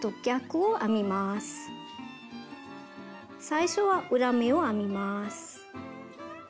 最初は裏目を編みます。